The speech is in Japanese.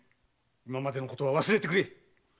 今までのことは忘れてくれ！